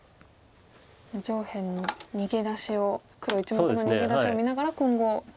上辺の逃げ出しを黒１目の逃げ出しを見ながら今後。